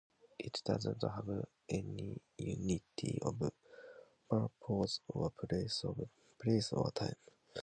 It doesn't have any unity of purpose or place or time.